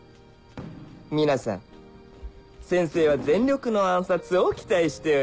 皆さん先生は全力の暗殺を期待しております